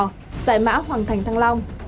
giải mã hoàng thành thăng long